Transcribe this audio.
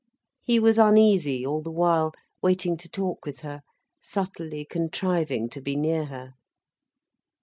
He was uneasy all the while, waiting to talk with her, subtly contriving to be near her.